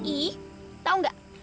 ih tau gak